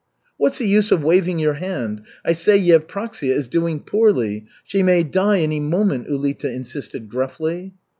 "What's the use of waving your hand? I say Yevpraksia is doing poorly. She may die any moment," Ulita insisted gruffly.